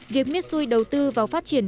việc mitsui đầu tư vào phát triển